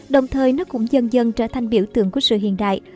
đồng thời nó cũng dần dần trở thành biểu tượng của sự hiện đại